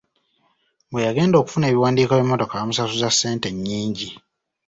Bwe yagenda okufuna ebiwandiiko by'emmotoka baamusasuza ssente nnyingi.